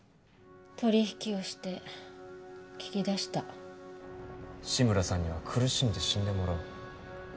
取り引きをして聞き出した志村さんには苦しんで死んでもらおう